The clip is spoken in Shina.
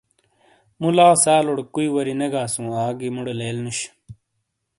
مُو لا سالوڑے کُوئی واری نے گاسوں آگی مُوڑے لیل نُش۔